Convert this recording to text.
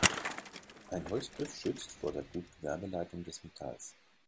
Ein Holzgriff schützt vor der guten Wärmeleitung des Metalls.